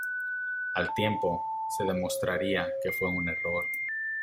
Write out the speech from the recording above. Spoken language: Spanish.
Al tiempo, se demostraría que fue un error.